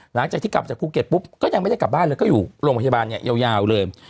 หลังจากที่กลับจากภูเก็ตปุ๊บก็ยังไม่ได้กลับบ้านเลยก็อยู่โรงพยาบาลเนี่ยยาวเลย